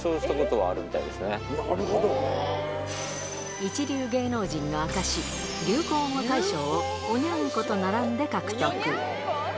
一流芸能人の証し、流行語大賞をおニャン子と並んで獲得。